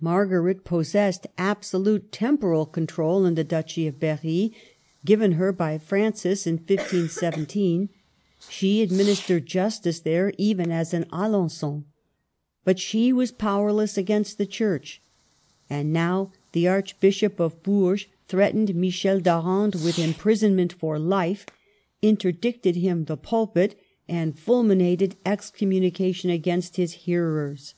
Margaret possessed absolute temporal control in the duchy of Berry, given her by Francis in 15 17; she administered justice there even as in Alengon. But she was powerless against the Church. And now the Archbishop of Bourges threatened Michel d'Arande with im prisonment for life, interdicted him the pulpit, and fulminated excommunication against his hearers.